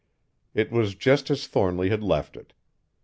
It was just as Thornly had left it.